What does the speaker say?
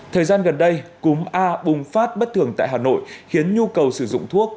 thời gian gần đây cúm a bùng phát bất thường tại hà nội khiến nhu cầu sử dụng thuốc